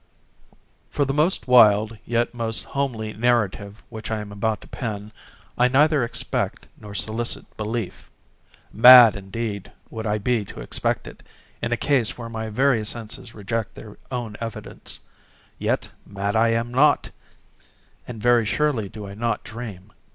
For the most wild, yet most homely narrative which I am about to pen, I neither expect nor solicit belief. Mad indeed would I be to expect it, in a case where my very senses reject their own evidence. Yet, mad am I not—and very surely do I not dream.